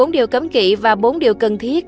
bốn điều cấm kỵ và bốn điều cần thiết